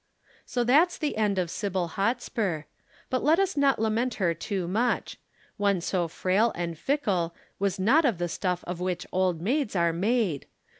"So that's the end of Sybil Hotspur. But let us not lament her too much. One so frail and fickle was not of the stuff of which Old Maids are made.